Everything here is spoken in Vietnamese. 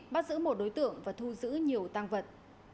bắt giữ một đối tượng và thu giữ nhiều tăng vật